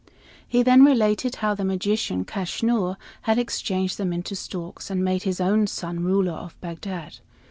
He then related how the magician, Kaschnur, had changed them into storks and made his own son ruler of Bagdad.